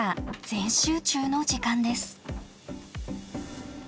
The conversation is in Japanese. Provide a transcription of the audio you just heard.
全集中の時間です。